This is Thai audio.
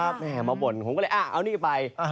มัวบ่นอยู่เอานี่ไป